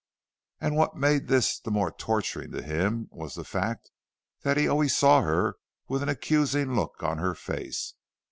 And what made this the more torturing to him was the fact that he always saw her with an accusing look on her face.